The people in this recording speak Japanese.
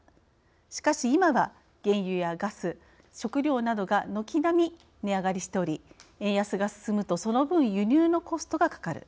しかし今は原油やガス食料などが軒並み値上がりしており円安が進むとその分輸入のコストがかかる。